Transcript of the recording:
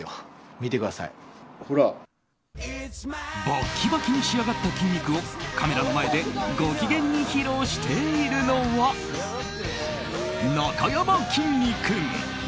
バッキバキに仕上がった筋肉をカメラの前でご機嫌に披露しているのはなかやまきんに君！